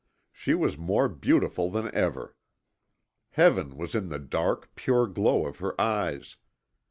She was more beautiful than ever. Heaven was in the dark, pure glow of her eyes.